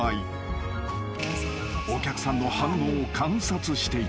［お客さんの反応を観察していた］